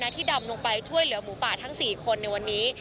ที่ดำลงไปช่วยเหลือหมูป่าทั้ง๔คนในวันนี้